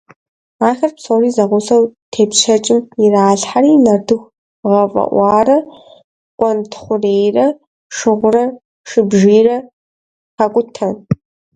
Ахэр псори зэгъусэу тепщэчым иралъхьэри, нартыху гъэфӀэӀуарэ къуэнтхъурейрэ, шыгъурэ шыбжийрэ хакӀутэ.